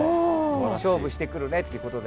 「勝負してくるね」ってことで。